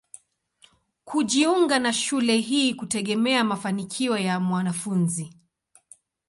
Kujiunga na shule hii hutegemea mafanikio ya mwanafunzi.